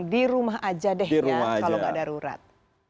di rumah aja deh ya kalau nggak darurat